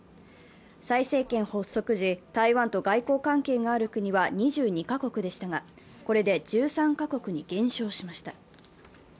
蔡政権発足時、台湾と外交関係がある国は２２か国でしたが、これで１３か国に減少しました。